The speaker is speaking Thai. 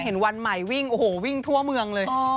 วันใหม่วิ่งโอ้โหวิ่งทั่วเมืองเลย